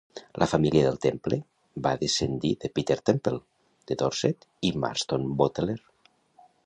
La família del temple va descendir de Peter Temple, de Dorset i Marston Boteler.